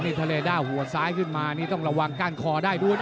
นี่ทะเลด้าหัวซ้ายขึ้นมานี่ต้องระวังก้านคอได้ด้วยนะ